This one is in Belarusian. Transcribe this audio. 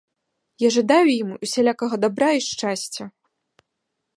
Я жадаю ім усялякага дабра і шчасця.